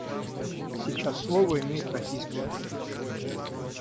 А сейчас слово имеет Российская Федерация.